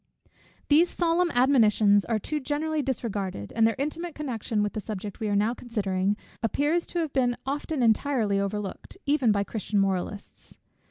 These solemn admonitions are too generally disregarded, and their intimate connection with the subject we are now considering, appears to have been often entirely overlooked, even by Christian moralists.